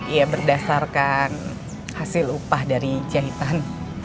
ya berdasarkan hasil upah dari jahitan